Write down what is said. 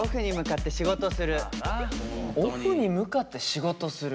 オフに向かって仕事する？